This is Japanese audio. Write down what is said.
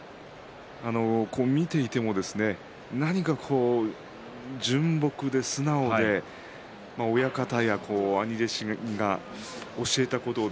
見ていてもなにか、純朴で素直で親方や兄弟子が教えたことを